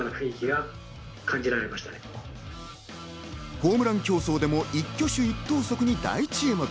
ホームラン競争でも一挙手、一投足に大注目。